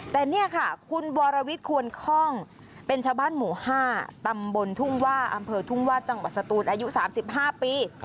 แต่นี่ค่ะคุณวรวิทย์ควรคล่องเป็นชาวบ้านหมู่๕ตำบลทุ่งว่าอำเภอทุ่งวาดจังหวัดสตูนอายุ๓๕ปี